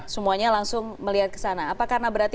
semuanya langsung melihat ke sana apa karena berarti